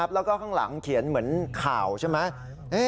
แล้วก็ข้างหลังเขียนเหมือนข่าวใช่ไหม